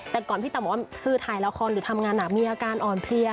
แต่ก่อนพี่ต่ำบอกว่าคือถ่ายละครหรือทำงานหนักมีอาการอ่อนเพลีย